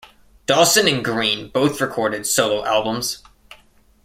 Dawson and Green both recorded solo albums.